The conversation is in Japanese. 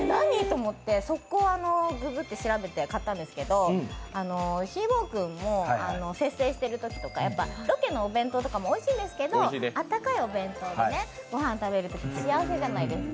ッて調べて買ったんですけど、ひーぼぉくんも節制しているときとかロケのお弁当とかもおいしいんですけど、温かいお弁当でご飯食べるときって幸せじゃないですか。